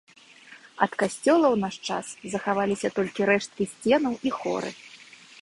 Ад касцёла ў наш час захаваліся толькі рэшткі сценаў і хоры.